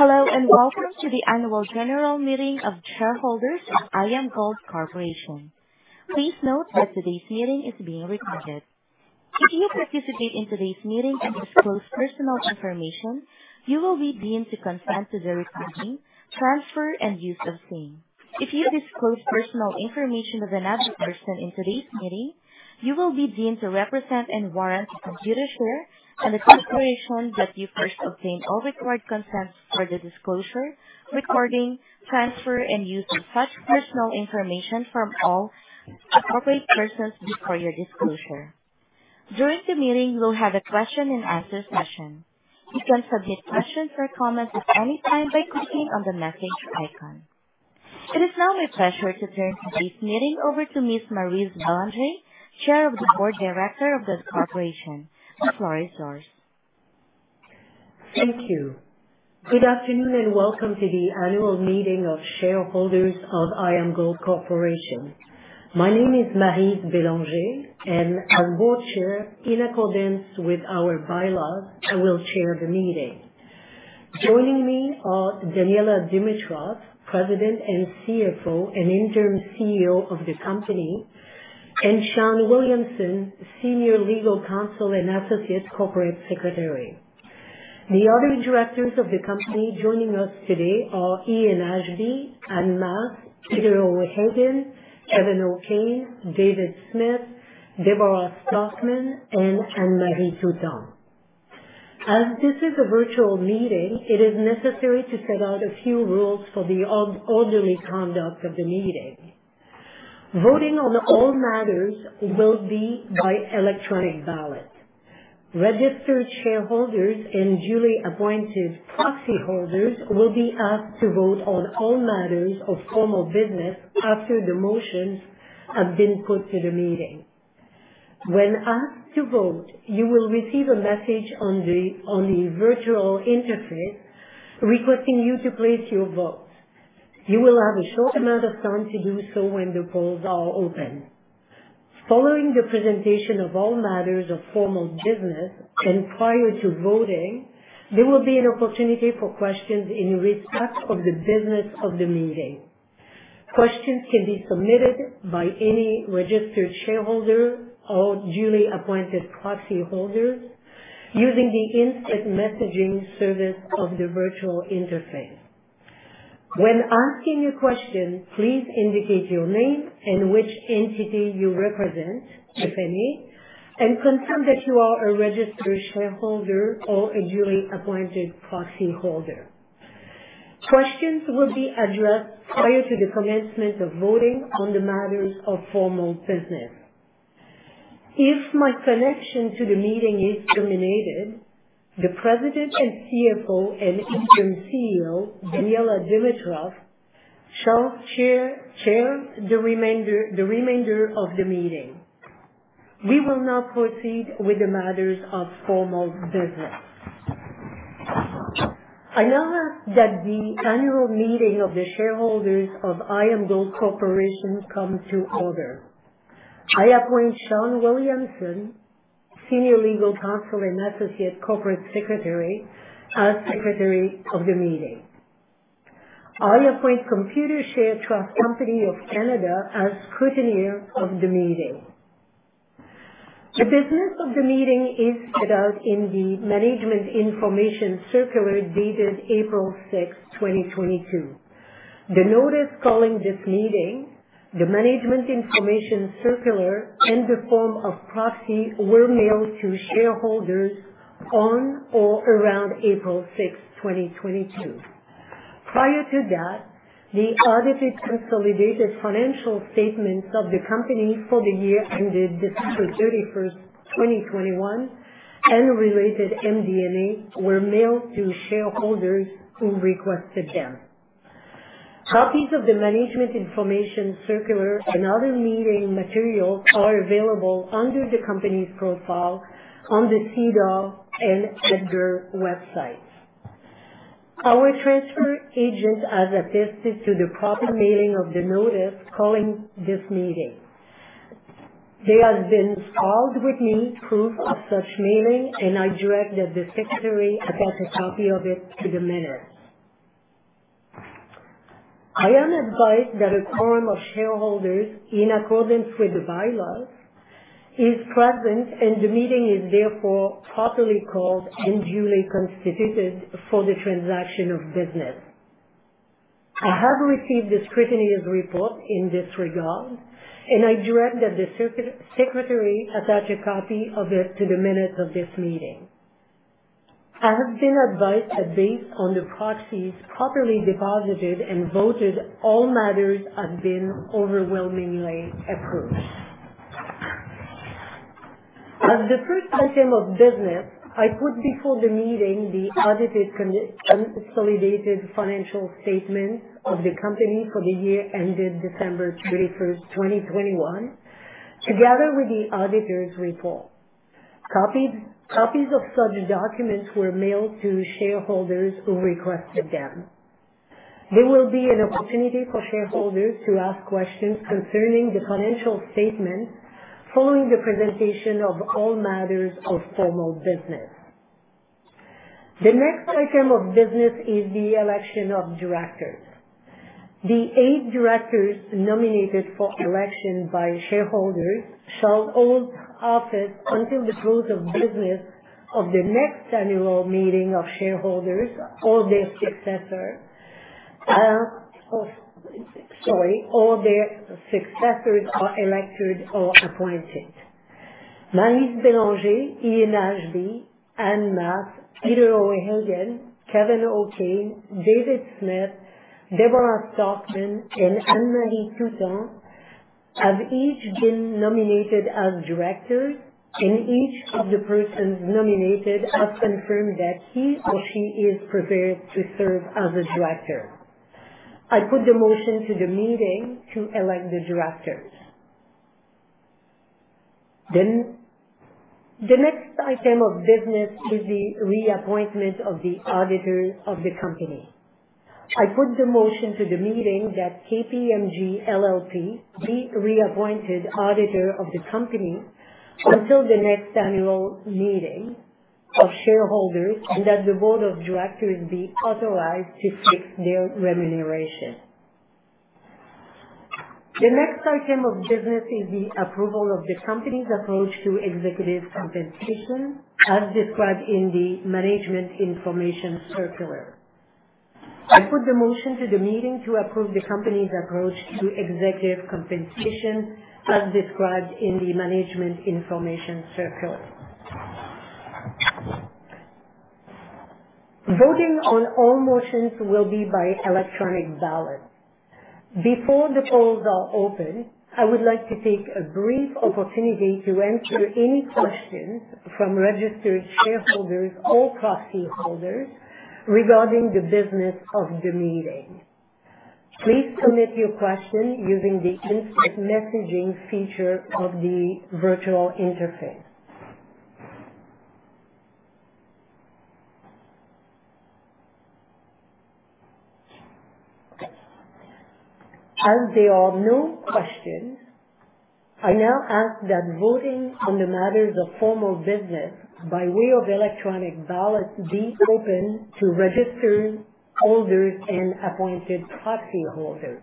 Hello, and welcome to the Annual General Meeting of Shareholders of IAMGOLD Corporation. Please note that today's meeting is being recorded. If you participate in today's meeting and disclose personal information, you will be deemed to consent to the recording, transfer, and use of same. If you disclose personal information of another person in today's meeting, you will be deemed to represent and warrant to Computershare and the corporation that you first obtained all required consents for the disclosure, recording, transfer, and use of such personal information from all appropriate persons before your disclosure. During the meeting, we'll have a question and answer session. You can submit questions or comments at any time by clicking on the message icon. It is now my pleasure to turn today's meeting over to Ms. Maryse Bélanger, Chair of the Board, Director of this corporation. The floor is yours. Thank you. Good afternoon, and welcome to the Annual Meeting of Shareholders of IAMGOLD Corporation. My name is Maryse Bélanger, and as board chair, in accordance with our bylaws, I will chair the meeting. Joining me are Daniella Dimitrov, President and CFO and Interim CEO of the company, and Sean Williamson, Senior Legal Counsel and Associate Corporate Secretary. The other directors of the company joining us today are Ian Ashby, Ann Masse, Peter O'Hagan, Kevin O'Kane, David Smith, Deborah Starkman, and Anne Marie Toutant. As this is a virtual meeting, it is necessary to set out a few rules for the orderly conduct of the meeting. Voting on all matters will be by electronic ballot. Registered shareholders and duly appointed proxyholders will be asked to vote on all matters of formal business after the motions have been put to the meeting. When asked to vote, you will receive a message on the virtual interface requesting you to place your vote. You will have a short amount of time to do so when the polls are open. Following the presentation of all matters of formal business and prior to voting, there will be an opportunity for questions in respect of the business of the meeting. Questions can be submitted by any registered shareholder or duly appointed proxyholders using the instant messaging service of the virtual interface. When asking a question, please indicate your name and which entity you represent, if any, and confirm that you are a registered shareholder or a duly appointed proxyholder. Questions will be addressed prior to the commencement of voting on the matters of formal business. If my connection to the meeting is terminated, the President, CFO and Interim CEO, Daniella Dimitrov, shall chair the remainder of the meeting. We will now proceed with the matters of formal business. I now ask that the annual meeting of the shareholders of IAMGOLD Corporation come to order. I appoint Sean Williamson, Senior Legal Counsel and Associate Corporate Secretary, as Secretary of the meeting. I appoint Computershare Trust Company of Canada as Scrutineer of the meeting. The business of the meeting is set out in the Management Information Circular dated April 6th, 2022. The notice calling this meeting, the Management Information Circular, and the form of proxy were mailed to shareholders on or around April 6th, 2022. Prior to that, the audited consolidated financial statements of the company for the year ended December 31st, 2021, and related MD&A were mailed to shareholders who requested them. Copies of the Management Information Circular and other meeting materials are available under the company's profile on the SEDAR and EDGAR websites. Our transfer agent has attested to the proper mailing of the notice calling this meeting. They have provided me with proof of such mailing, and I direct that the secretary attach a copy of it to the minutes. I am advised that a quorum of shareholders, in accordance with the bylaws, is present and the meeting is therefore properly called and duly constituted for the transaction of business. I have received the scrutineer's report in this regard, and I direct that the secretary attach a copy of it to the minutes of this meeting. I have been advised that based on the proxies properly deposited and voted, all matters have been overwhelmingly approved. As the first item of business, I put before the meeting the audited consolidated financial statements of the company for the year ended December 31st, 2021, together with the auditor's report. Copies of such documents were mailed to shareholders who requested them. There will be an opportunity for shareholders to ask questions concerning the financial statements following the presentation of all matters of formal business. The next item of business is the election of directors. The eight directors nominated for election by shareholders shall hold office until the close of business of the next annual meeting of shareholders or their successors are elected or appointed. Maryse Bélanger, Ian Ashby, Ann Masse, Peter O'Hagan, Kevin O'Kane, David Smith, Deborah Starkman, and Anne Marie Toutant have each been nominated as directors, and each of the persons nominated has confirmed that he or she is prepared to serve as a director. I put the motion to the meeting to elect the directors. The next item of business is the reappointment of the auditor of the company. I put the motion to the meeting that KPMG LLP be reappointed auditor of the company until the next annual meeting of shareholders, and that the board of directors be authorized to fix their remuneration. The next item of business is the approval of the company's approach to executive compensation, as described in the Management Information Circular. I put the motion to the meeting to approve the company's approach to executive compensation, as described in the Management Information Circular. Voting on all motions will be by electronic ballot. Before the polls are open, I would like to take a brief opportunity to answer any questions from registered shareholders or proxy holders regarding the business of the meeting. Please submit your question using the instant messaging feature of the virtual interface. As there are no questions, I now ask that voting on the matters of formal business by way of electronic ballot be open to registered holders and appointed proxy holders.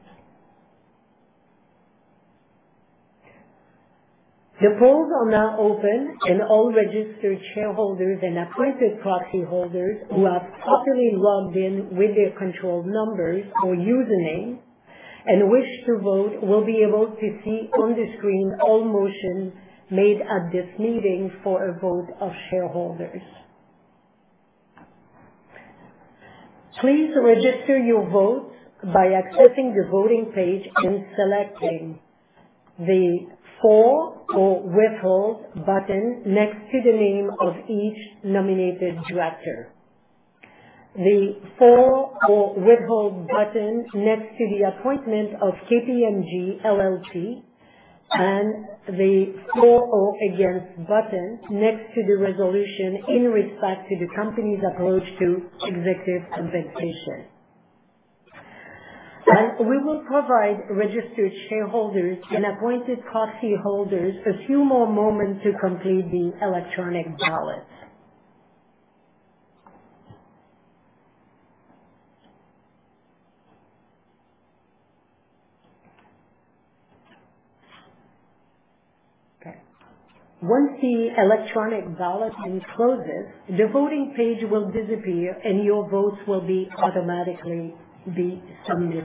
The polls are now open, and all registered shareholders and appointed proxy holders who have properly logged in with their control numbers or username and wish to vote will be able to see on the screen all motions made at this meeting for a vote of shareholders. Please register your vote by accessing the voting page and selecting the For or Withhold button next to the name of each nominated director, the For or Withhold button next to the appointment of KPMG LLP, and the For or Against button next to the resolution in respect to the company's approach to executive compensation. We will provide registered shareholders and appointed proxy holders a few more moments to complete the electronic ballot. Okay. Once the electronic balloting closes, the voting page will disappear, and your votes will be automatically submitted.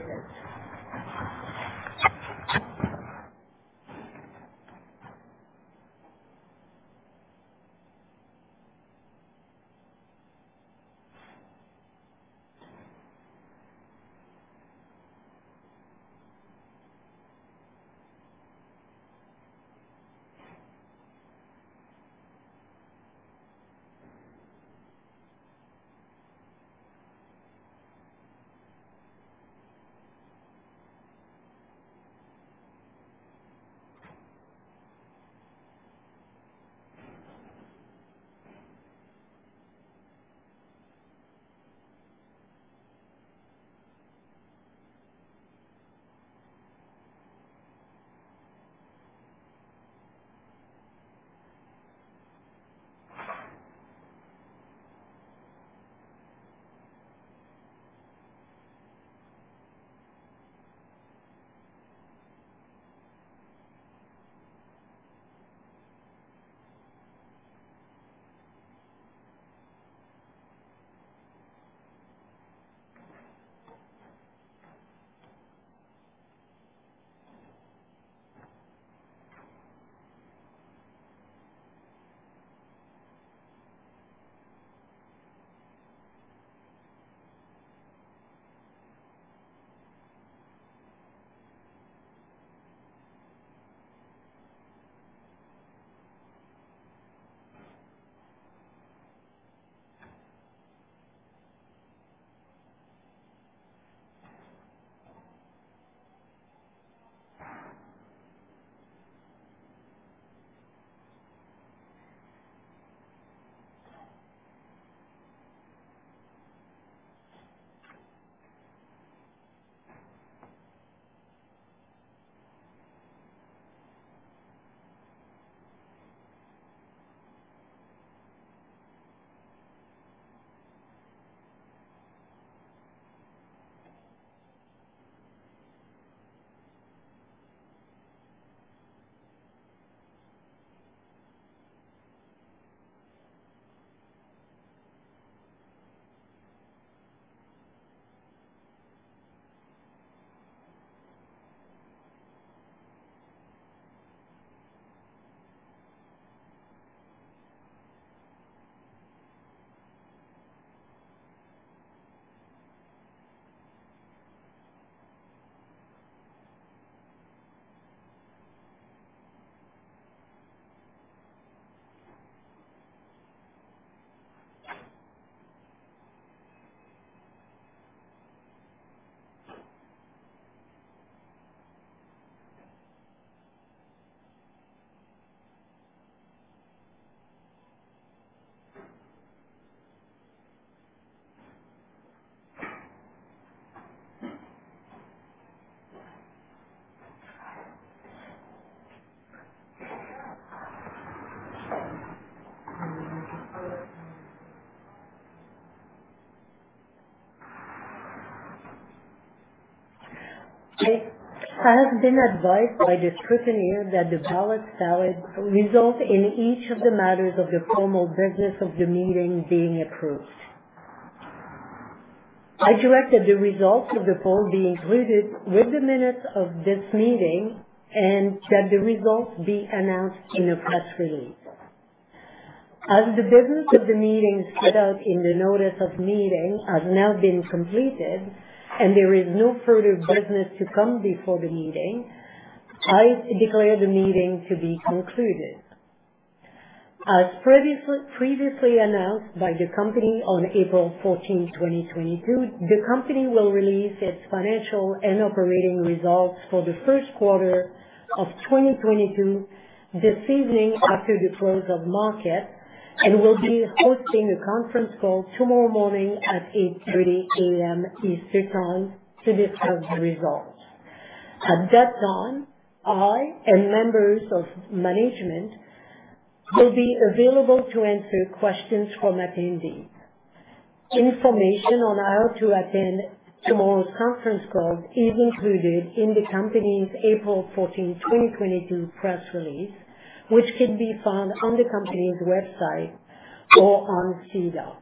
I have been advised by the scrutineer that the ballots have resulted in each of the matters of the formal business of the meeting being approved. I direct that the results of the poll be included with the minutes of this meeting and that the results be announced in a press release. As the business of the meeting set out in the notice of meeting has now been completed and there is no further business to come before the meeting, I declare the meeting to be concluded. As previously announced by the company on April 14th, 2022, the company will release its financial and operating results for the first quarter of 2022 this evening after the close of market and will be hosting a conference call tomorrow morning at 8:30 A.M. Eastern Time to discuss the results. At that time, I and members of management will be available to answer questions from attendees. Information on how to attend tomorrow's conference call is included in the company's April 14th, 2022 press release, which can be found on the company's website or on SEDAR.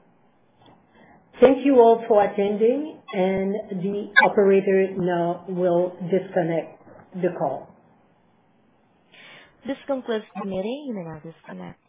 Thank you all for attending and the operator now will disconnect the call. This concludes the meeting. You may now disconnect.